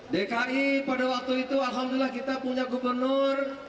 dki pada waktu itu alhamdulillah kita punya gubernur